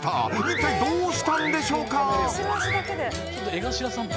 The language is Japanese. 一体どうしたんでしょうか？